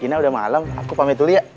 gina udah malem aku pamit dulu ya